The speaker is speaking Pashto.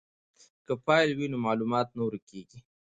که فایل وي نو معلومات نه ورکیږي.